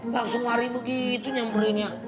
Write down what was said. langsung lari begitu nyamperinnya